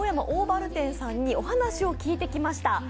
オーバル店さんにお話を聞いてきました。